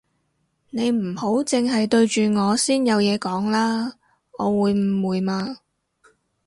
你唔好剩係對住我先有嘢講啦，我會誤會嘛